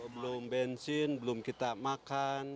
belum bensin belum kita makan